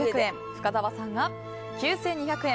深澤さんが９２００円。